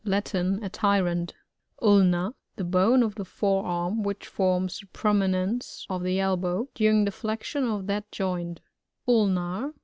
^Latin. A tyrant Ulna.— The bone of the fore arm, which forms the prominence of the elbow, during the flexion of that joint Ulnar.